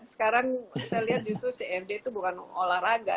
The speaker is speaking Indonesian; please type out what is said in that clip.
sekarang saya lihat justru cfd itu bukan olahraga